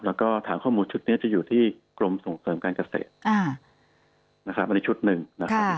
แล้วก็ฐานข้อมูลชุดนี้จะอยู่ที่กรมส่งเสริมการเกษตรนะครับอันนี้ชุดหนึ่งนะครับ